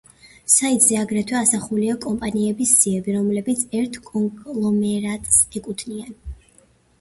საიტზე აგრეთვე ასახულია კომპანიების სიები, რომლებიც ერთ კონგლომერატს ეკუთვნიან.